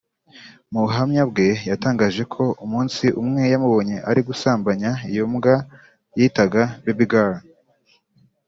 Mu buhamya bwe yatangaje ko umunsi umwe yamubonye ari gusambanya iyo mbwa yitaga Baby Girl